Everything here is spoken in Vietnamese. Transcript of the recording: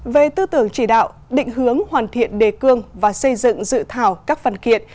về tư tưởng chỉ đạo định hướng hoàn thiện đề cương và xây dựng dự thảo các văn kiện